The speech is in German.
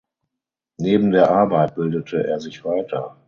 Neben der Arbeit bildete er sich weiter.